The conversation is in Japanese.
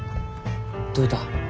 どういた？